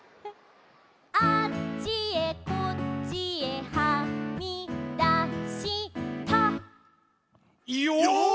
「あっちへこっちへはみだした」よぉ！